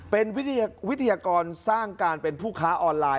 เป็นวิทยากรสร้างการเป็นผู้ค้าออนไลน์